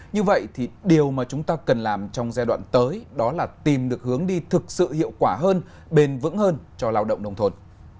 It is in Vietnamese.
như vậy thì điều mà chúng ta cần làm trong giai đoạn tới đó là tìm được hướng đi thực sự hiệu quả hơn bền vững hơn cho lao động nông thôn